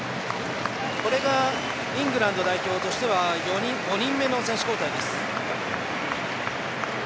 これがイングランド代表としては４人目の選手交代です。